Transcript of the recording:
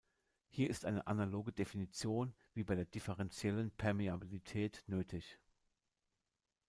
Hier ist eine analoge Definition wie bei der differentiellen Permeabilität nötig.